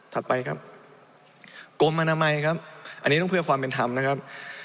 ไปครับกรมอนามัยครับอันนี้ต้องเพื่อความเป็นธรรมนะครับ